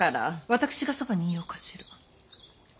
私がそばにいようかしら。